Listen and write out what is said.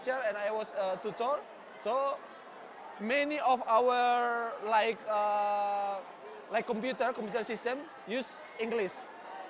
jadi saya harus menggunakan google translate atau sesuatu seperti itu